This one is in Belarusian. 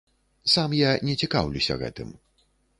Сам я не цікаўлюся гэтым.